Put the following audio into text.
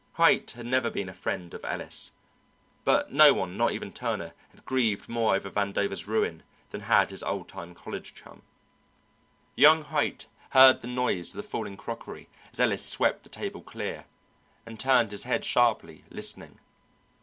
Haight had never been a friend of Ellis, but no one, not even Turner, had grieved more over Vandover's ruin than had his old time college chum. Young Haight heard the noise of the falling crockery as Ellis swept the table clear, and turned his head sharply, listening.